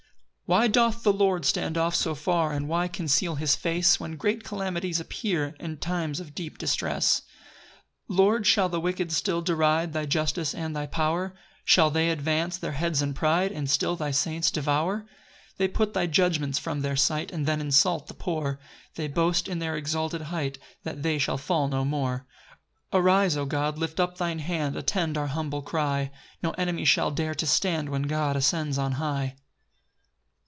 1 Why doth the Lord stand off so far, And why conceal his face, When great calamities appear, And times of deep distress? 2 Lord, shall the wicked still deride Thy justice and thy pow'r? Shall they advance their heads in pride, And still thy saints devour? 3 They put thy judgments from their sight, And then insult the poor; They boast in their exalted height That they shall fall no more. 4 Arise, O God, lift up thine hand, Attend our humble cry; No enemy shall dare to stand When God ascends on high.